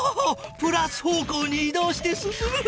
プラス方向にい動して進む。